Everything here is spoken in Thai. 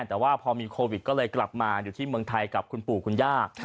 แต่ว่าพอมีโควิดก็เลยกลับมาอยู่ที่เมืองไทยกับคุณปู่คุณย่า